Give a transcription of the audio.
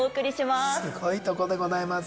すごいとこでございます。